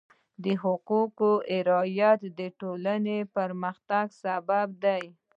د حقوقو رعایت د ټولنې پرمختګ سبب دی.